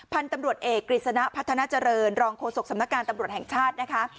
พันธุ์ตำรวจเอกกฤษณะพัฒนาเจริญรองโฆษกสำนักการตำรวจแห่งชาตินะคะ